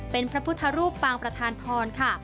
เป็นพระพุทธรูปปางประธานพรค่ะ